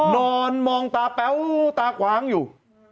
นอนมองตาแป๊วตาขวางอยู่